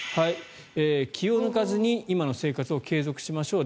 気を抜かずに今の生活を継続しましょう。